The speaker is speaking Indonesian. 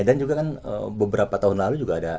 dan juga kan beberapa tahun lalu juga ada